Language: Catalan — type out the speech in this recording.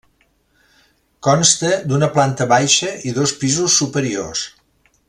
Consta d'una planta baixa i dos pisos superiors.